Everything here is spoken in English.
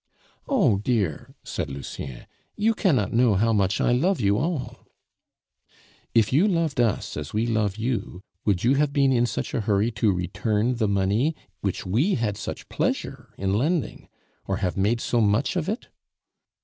"Oh! dear," said Lucien, "you cannot know how much I love you all." "If you loved us as we love you, would you have been in such a hurry to return the money which we had such pleasure in lending? or have made so much of it?"